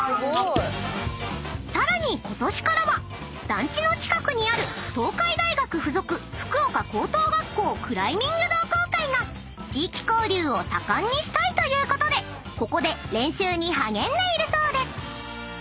［さらにことしからは団地の近くにある東海大学付属福岡高等学校クライミング同好会が地域交流を盛んにしたいということでここで練習に励んでいるそうです］